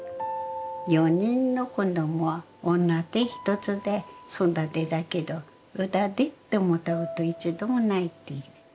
４人の子ども女手一つで育てたけどうだでって思ったこと一度もないって。